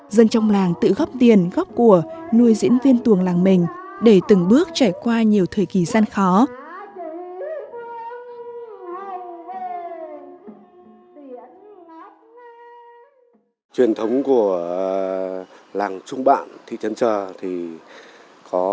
dân trong làng tự góp tiền góp của nuôi diễn viên tuồng làng mình để từng bước trải qua nhiều thời kỳ gian khó